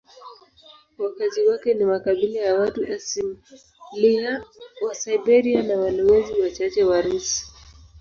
Wakazi wake ni makabila ya watu asilia wa Siberia na walowezi wachache Warusi.